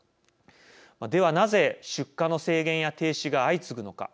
では、なぜ出荷の制限や停止が相次ぐのか。